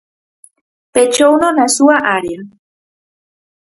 Pechouno na súa área.